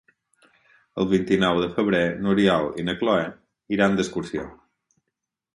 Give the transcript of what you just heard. El vint-i-nou de febrer n'Oriol i na Cloè iran d'excursió.